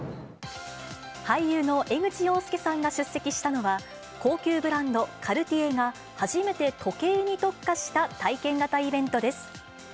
俳優の江口洋介さんが出席したのは、高級ブランド、カルティエが初めて時計に特化した体験型イベントです。